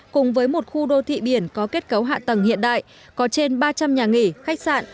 cùng với một khu đô thị biển có kết cấu hạ tầng hiện đại có trên ba trăm linh nhà nghỉ khách sạn